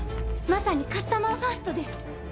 まさにカスタマーファーストです。